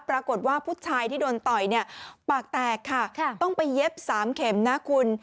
ปรากฏว่าผู้ชายที่โดนต่อยเนี่ยปากแตกค่ะต้องไปเย็บ๓เข็มนะคุณ